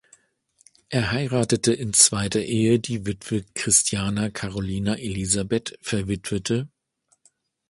Er heiratete in zweiter Ehe die Witwe Christiana Carolina Elisabeth verw.